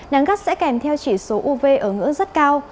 nắng gắt sẽ kèm theo chỉ số uv ở ngưỡng rất cao